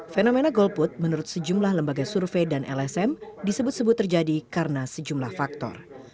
fenomena golput menurut sejumlah lembaga survei dan lsm disebut sebut terjadi karena sejumlah faktor